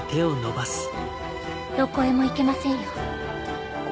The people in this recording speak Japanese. どこへも行けませんよ。